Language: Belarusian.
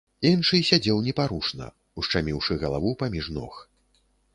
Іншы сядзеў непарушна, ушчаміўшы галаву паміж ног.